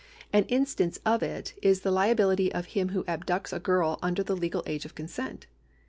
An instance of it is the liability of him who abducts a girl under the legal age of consent.